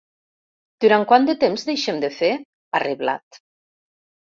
Durant quant temps deixem de fer?, ha reblat.